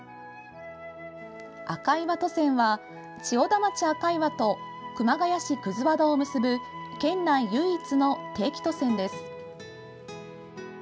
赤岩渡船は、千代田町赤岩と熊谷市葛和田を結ぶ県内唯一の定期渡船です。